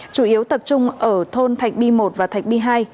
chủ yếu tập trung ở thôn thạch bi một và thạch bi hai